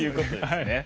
はい。